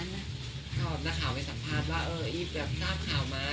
แต่ก็เอออิฟก็ว่า